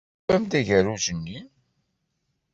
Tufam-d agerruj-nni?